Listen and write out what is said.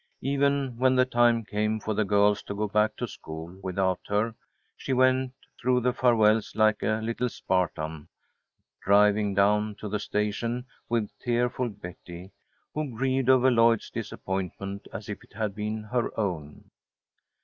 Even when the time came for the girls to go back to school without her, she went through the farewells like a little Spartan, driving down to the station with tearful Betty, who grieved over Lloyd's disappointment as if it had been her own.